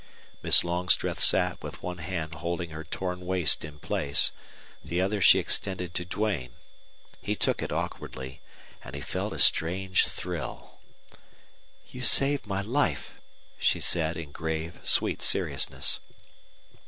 Miss Longstreth sat with one hand holding her torn waist in place; the other she extended to Duane. He took it awkwardly, and he felt a strange thrill. "You saved my life," she said, in grave, sweet seriousness.